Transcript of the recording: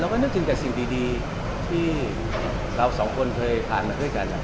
ก็นึกถึงแต่สิ่งดีที่เราสองคนเคยผ่านมาด้วยกัน